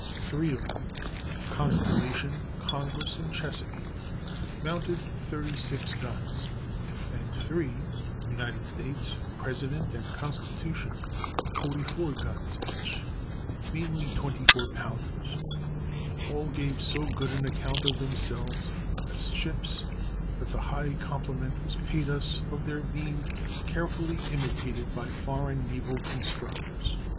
Three of them (Constellation, Congress, and Chesapeake) mounted thirty six guns, and three (United States, President, and Constitution) forty four guns each—mainly 24 pounders; and all gave so good an account of themselves, as ships, that the high compliment was paid us of their being carefully imitated by foreign naval constructors.